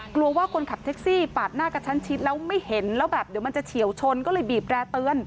กลัวว่าคนขับแท็กซี่ปาดหน้ากระชั้นชิดแล้วไม่เห็นแล้วแบบเดี๋ยวมันจะเฉียวชนก็เลยบีบแร่เตือน